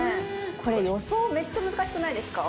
これ予想めっちゃ難しくないですか？